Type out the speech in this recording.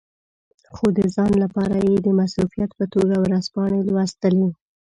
خو د ځان لپاره یې د مصروفیت په توګه ورځپاڼې لوستې.